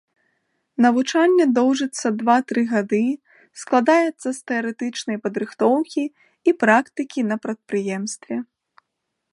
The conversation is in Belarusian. Навучанне доўжыцца два-тры гады, складаецца з тэарэтычнай падрыхтоўкі і практыкі на прадпрыемстве.